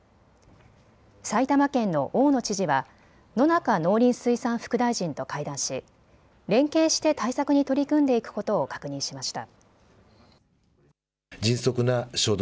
埼玉県の大野知事は野中農林水産副大臣と会談し連携して対策に取り組んでいくことを確認しました。